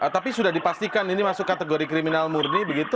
tapi sudah dipastikan ini masuk kategori kriminal murni begitu